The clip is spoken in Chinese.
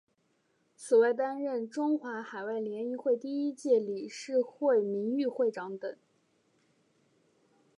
此外担任中华海外联谊会第一届理事会名誉会长等。